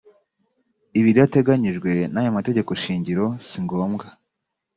ibidateganyijwe naya mategekoshingiro singombwa.